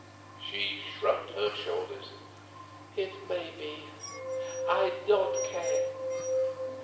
She shrugged her shoulders. "It may be; I don't care.